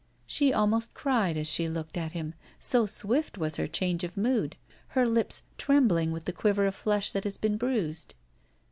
She almost cried as she looked at him, so swift was her change of mood, her lips trembling with the quiver of flesh that has been bruised.